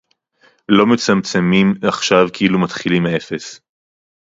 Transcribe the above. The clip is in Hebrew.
לא מצמצמים עכשיו כאילו מתחילים מאפס